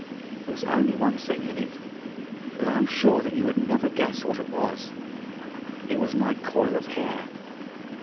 There was only one thing in it, but I am sure that you would never guess what it was. It was my coil of hair.